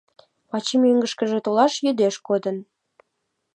Вачи мӧҥгышкыжӧ толаш йӱдеш кодын.